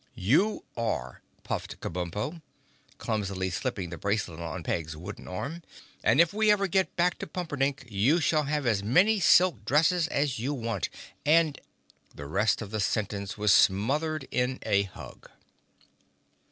"You are," puffed Kabumpo, clumsily slipping the bracelet on Peg's wooden arm, "and if we ever get back to Pumperdink you shall have as many silk dresses as you want and—" The rest of the sentence was smothered in a hug.